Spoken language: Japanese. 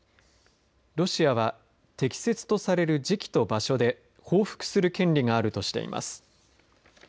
ロシアは適切とされる時期と場所で報復する権利があるとしています。